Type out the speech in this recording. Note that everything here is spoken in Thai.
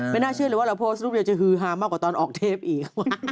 น่าเชื่อเลยว่าเราโพสต์รูปเดียวจะฮือฮามากกว่าตอนออกเทปอีก